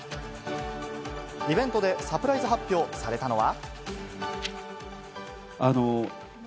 イベントでサプライズ発表されたのは。